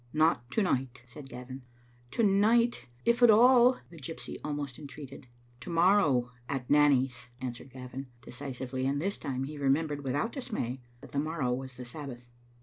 "Not to night," said Gavin. "To night, if at all," the gypsy almost entreated. "To morrow, at Nanny's," answered Gavin, deci sively: and this time he remembered without dismay that the morrow was the Sabbath.